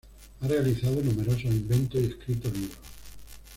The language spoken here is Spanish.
Ha realizado numerosos inventos y escritos libros.